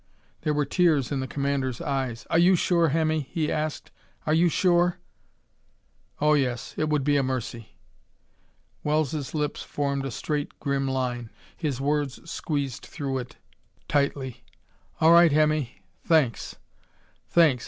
There were tears in the commander's eyes. "Are you sure, Hemmy?" he asked. "Are you sure?" "Oh, yes. It would be a mercy." Wells' lips formed a straight grim line. His words squeezed through it tightly. "All right, Hemmy. Thanks. Thanks.